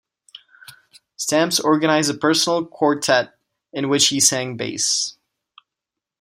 Stamps organized a personal quartet in which he sang bass.